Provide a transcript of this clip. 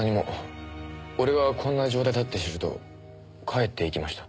俺がこんな状態だって知ると帰っていきました。